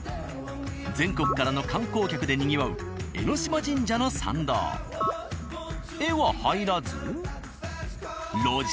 全国からの観光客でにぎわう江島神社の参道へは入らず。